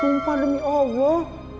sumpah demi allah